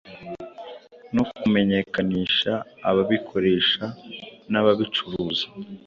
no kumenyekanisha ababikoresha n’ababicuruza